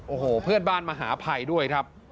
โอ้โหเพื่อนบ้านมหาภัยด้วยครับ